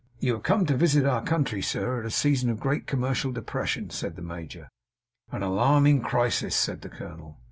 'You have come to visit our country, sir, at a season of great commercial depression,' said the major. 'At an alarming crisis,' said the colonel.